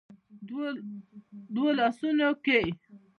دوو لاسونو کې